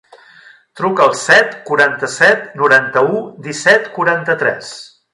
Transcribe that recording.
Truca al set, quaranta-set, noranta-u, disset, quaranta-tres.